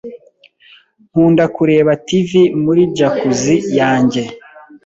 Nkunda kureba tv muri Jacuzzi yanjye.